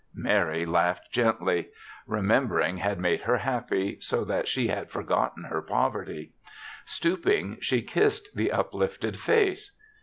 Mary laughed gently. Remember ing had made her happy^ so that she had forgotten her poverty. Stoop ing, she kissed the uplifted face.